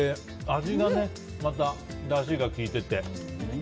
味がまたね、だしが効いてて。